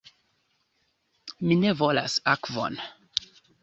Mi ne volas akvon.